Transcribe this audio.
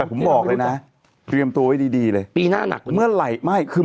แต่ผมบอกเลยนะเตรียมตัวไว้ดีเลย